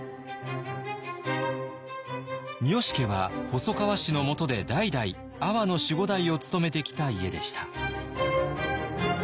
三好家は細川氏のもとで代々阿波の守護代を務めてきた家でした。